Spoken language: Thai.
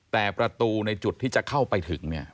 แต่ประตูในจุดที่จะเข้าไปถึงเนี่ย